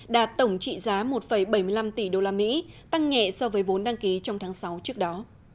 đạt tổng trị giá một bảy mươi năm tỷ usd tăng nhẹ so với vốn đăng ký trong tháng sáu trước đó